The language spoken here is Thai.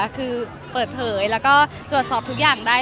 คือเปิดเผยแล้วก็ตรวจสอบทุกอย่างได้